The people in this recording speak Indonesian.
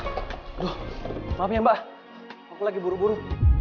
aku sedang berburu buru